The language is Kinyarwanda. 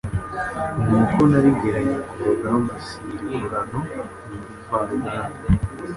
Ni uko narigeranye ku rugambaSi irigurano ni irivaruganda.